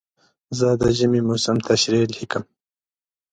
زه د ژمي موسم تشریح لیکم.